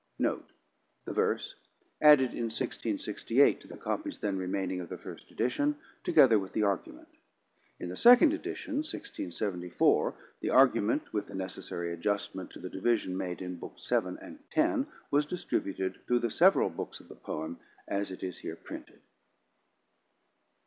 Note: The Verse] Added in 1668 to the copies then remaining of the first edition; together with the Argument. In the second edition (1674) the Argument, with the necessary adjustment to the division made in Books vii and x, was distributed through the several books of the poem, as it is here printed.